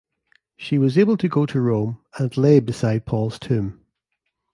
She was able to go to Rome and lay beside Paul's tomb.